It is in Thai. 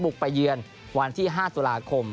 ไปเยือนวันที่๕ตุลาคม